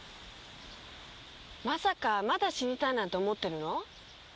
まさかまだ死にたいだなんて思ってるの？